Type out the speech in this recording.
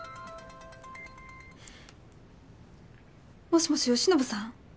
もしもし善信さん？